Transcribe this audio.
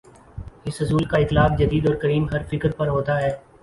اس اصول کا اطلاق جدید اور قدیم، ہر فکرپر ہوتا ہے۔